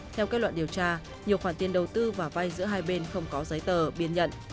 theo kết luận điều tra nhiều khoản tiền đầu tư và vay giữa hai bên không có giấy tờ biên nhận